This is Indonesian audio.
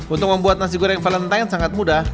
untuk membuat nasi goreng valentine sangat mudah